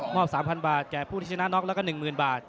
๓๐๐บาทแก่ผู้ที่ชนะน็อกแล้วก็๑๐๐๐บาท